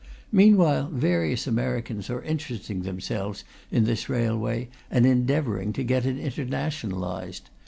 Meanwhile, various Americans are interesting themselves in this railway and endeavouring to get it internationalized.